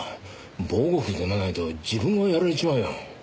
防護服でもないと自分がやられちまうよ。